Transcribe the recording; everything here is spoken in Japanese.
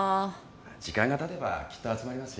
時間がたてばきっと集まりますよ。